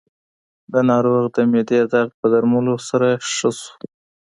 د ناروغ د معدې درد په درملو سره ښه شو.